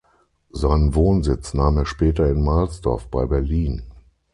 Seinen Wohnsitz nahm er später in Mahlsdorf bei Berlin.